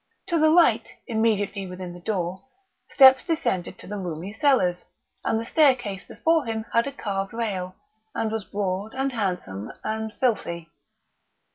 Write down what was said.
To the right, immediately within the door, steps descended to the roomy cellars, and the staircase before him had a carved rail, and was broad and handsome and filthy.